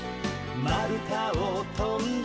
「まるたをとんで」